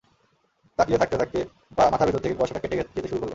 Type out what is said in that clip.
তাকিয়ে থাকতে থাকতে মাথার ভেতর থেকে কুয়াশাটা কেটে যেতে শুরু করল।